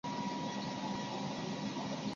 老挝杜英为杜英科杜英属下的一个种。